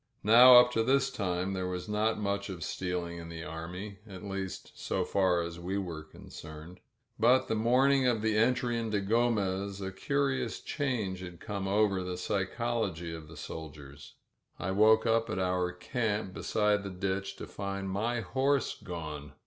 Now up to this time there was not much of stealing in the army — at least so far as we were concerned. But the morning of the entry into 255 INSURGENT MEXICO Gomez a curious change had come over the psychology of the soldiers. I woke at our camp beside the ditch to find my horse gone.